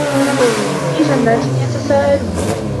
فِي جَنَّاتٍ يَتَسَاءَلُونَ